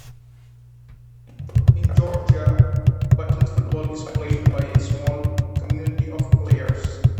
In Georgia button football is played by a small community of players.